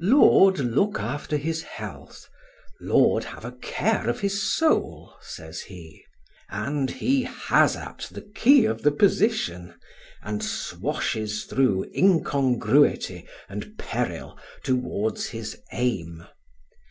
Lord look after his health, Lord have a care of his soul, says he; and he has at the key of the position, and swashes through incongruity and peril towards his aim.